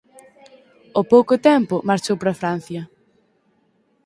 Ao pouco tempo marchou para Francia.